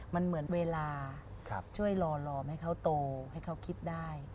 มันเหมือนเวลาช่วยรอลอมให้เขาโตให้เขาคิดได้